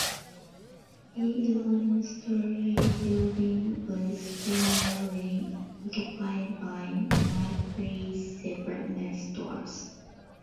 The eleven-story building was formerly occupied by McCreery's Department Stores.